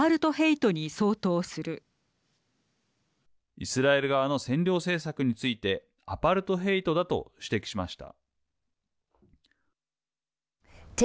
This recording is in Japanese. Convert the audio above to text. イスラエル側の占領政策についてアパルトヘイトだと指摘しました。